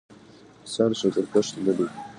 انسان شکرکښ نه دی